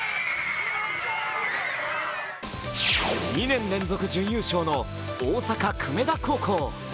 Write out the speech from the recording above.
２年連続準優勝の大阪・久米田高校。